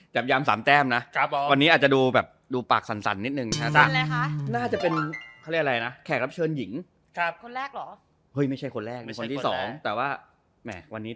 จับยามสามแต้มตรวจดวงชะตาทีมรักให้หมอดูทักก่อนลงเตะ